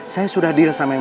sebentar saja pak